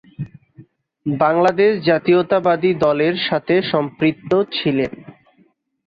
বাংলাদেশ জাতীয়তাবাদী দলের সাথে সম্পৃক্ত ছিলেন।